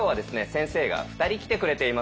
先生が２人来てくれています。